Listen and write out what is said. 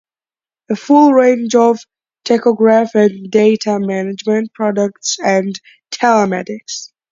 A full range of Tachograph and Data Management products and Telematics.